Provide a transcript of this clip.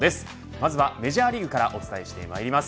まずはメジャーリーグからお伝えしてまいります。